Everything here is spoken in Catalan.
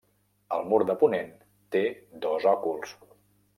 El mur de ponent té dos òculs.